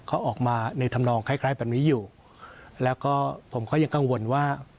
เขาออกมาในธรรมนองคล้ายคล้ายแบบนี้อยู่แล้วก็ผมก็ยังกังวลว่า